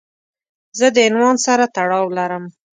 زه د عنوان سره تړاو لرم.